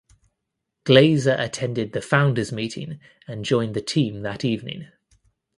Glaser attended the founders meeting and joined the team that evening.